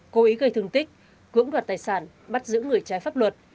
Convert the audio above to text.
quý cây thương tích cưỡng đoạt tài sản bắt giữ người trái pháp luật